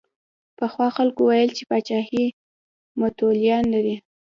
پخوا خلکو ویل چې پاچاهي متولیان لري.